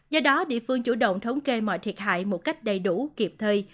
do đó địa phương chủ động thống kê mọi thiệt hại một cách đầy đủ kịp thời